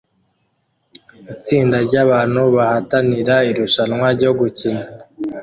Itsinda ryabantu bahatanira Irushanwa ryo gukira